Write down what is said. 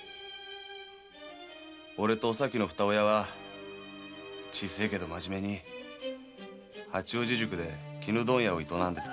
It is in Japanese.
俺とおさきの二親は小さいけど真面目に八王子宿で絹問屋を営んでいた。